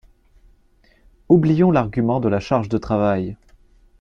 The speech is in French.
Oublions l’argument de la charge de travail.